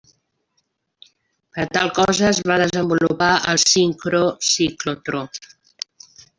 Per a tal cosa es va desenvolupar el sincrociclotró.